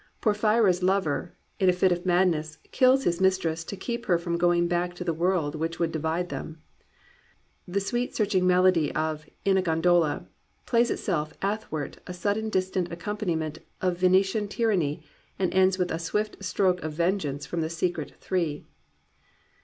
Porpkyria^s Lover, in a fit of madness, kills his mis tress to keep her from going back to the world which would divide them. The sweet searching melody of In a Gondola plays itself athwart a sullen distant accompaniment of Venetian tyranny and ends with a swift stroke of vengeance from the secret Three.